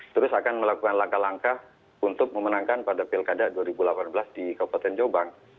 terus akan melakukan langkah langkah untuk memenangkan pada pilkada dua ribu delapan belas di kabupaten jombang